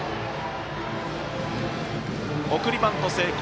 送りバント成功。